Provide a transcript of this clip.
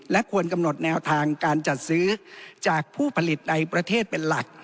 ควรกำหนดแนวทางการจัดซื้อจากผู้ผลิตในประเทศเป็นหลัก